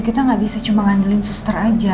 kita gak bisa cuma ngandelin suster aja